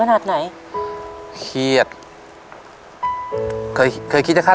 พันห้าพันอะไรแบบนี้ครับ